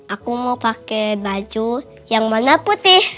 aku mau pakai baju yang warna putih